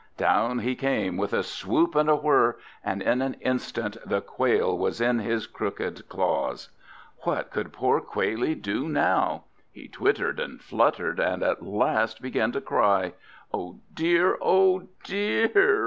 Down he came with a swoop and a whirr, and in an instant the Quail was in his crooked claws. What could poor Quailie do now? He twittered and fluttered, and at last began to cry. "Oh dear, oh dear!"